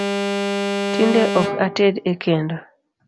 Tinde ok ated e kendo